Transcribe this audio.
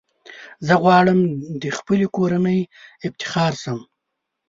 زه غواړم د خپلي کورنۍ افتخار شم .